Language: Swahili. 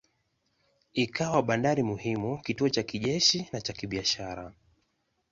Ikawa bandari muhimu, kituo cha kijeshi na cha kibiashara.